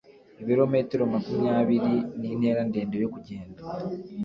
Ibirometero makumyabiri ni intera ndende yo kugenda.